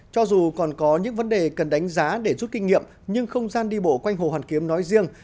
cho dù còn có những vấn đề cần đánh giá để rút kinh nghiệm nhưng không gian đi bộ quanh hồ hoàn kiếm nói riêng